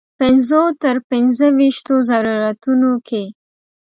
پنځو تر پنځه ویشتو ضرورتونو کې.